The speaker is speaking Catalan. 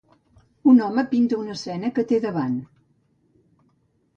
Un home pinta una escena que té davant.